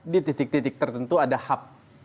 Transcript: di titik titik tertentu ada hub